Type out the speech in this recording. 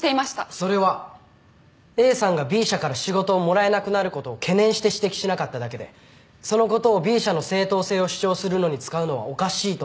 それはＡさんがＢ社から仕事をもらえなくなることを懸念して指摘しなかっただけでそのことをＢ社の正当性を主張するのに使うのはおかしいと思います。